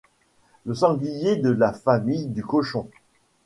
le sanglier de la famille du cochon